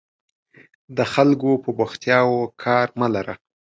د خلکو په بوختیاوو کار مه لره.